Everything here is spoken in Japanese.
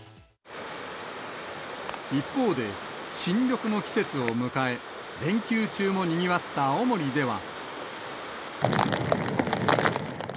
一方で、新緑の季節を迎え、連休中もにぎわった青森では。